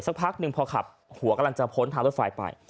สักพักหนึ่งพอขับหัวกำลังจะพ้นทางรถไฟไป